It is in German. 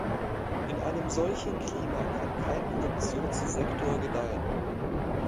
In einem solchen Klima kann kein Produktionssektor gedeihen.